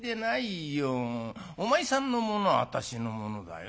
お前さんのものは私のものだよ